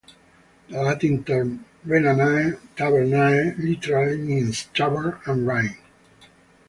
The Latin term "Rhenanae Tabernae" literally means "tavern" and "Rhine".